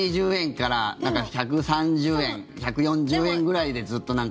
１２０円から１３０円１４０円ぐらいでずっと。